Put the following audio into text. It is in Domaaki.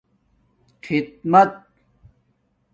خدمت